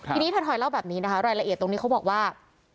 ทีนี้ถอยเล่าแบบนี้นะคะรายละเอียดตรงนี้เขาบอกว่า